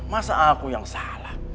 masa aku yang salah